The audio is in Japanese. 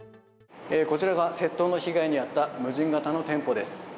こちらが窃盗の被害に遭った無人型の店舗です。